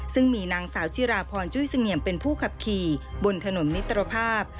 ซึ่งมีนางสาวจิราพรจุ้ยเสงี่ยมเป็นผู้ขับขี่บนถนนมิตรภาพ